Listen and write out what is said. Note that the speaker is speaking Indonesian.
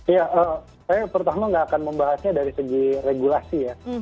ya saya pertama nggak akan membahasnya dari segi regulasi ya